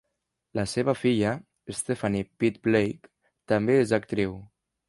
La seva filla, Steffanie Pitt-Blake, també és actriu.